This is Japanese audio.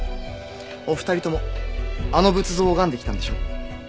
お二人ともあの仏像を拝んできたんでしょ。